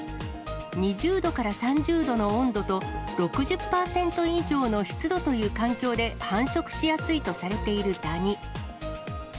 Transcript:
２０度から３０度の温度と、６０％以上の湿度という環境で繁殖しやすいとされているダニ。